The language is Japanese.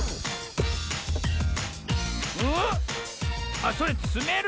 あっそれつめる